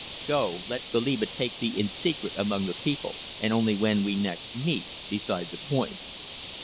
Go, let Goliba take thee in secret among the people, and only when we next meet decide the point."